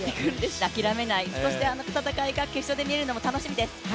諦めない、そしてあの戦いが決勝で見られるのも楽しみです。